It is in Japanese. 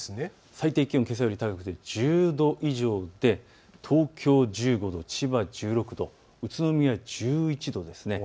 最低気温、けさより高くて１０度以上で東京１５度、千葉１６度、宇都宮１１度です。